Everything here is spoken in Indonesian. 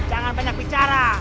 jangan banyak bicara